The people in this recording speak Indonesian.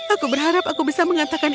aku berharap aku bisa mengantarkan imanmu